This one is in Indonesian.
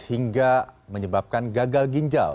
hingga menyebabkan gagal ginjal